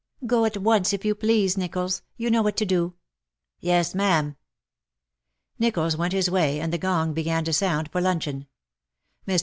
" Go at once, if you please, NichoUs. You know what to do." ^' Yes, ma'am." NichoUs went his way, and the gong began to sound for luncheon. Mr.